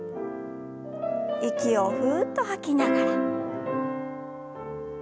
息をふっと吐きながら。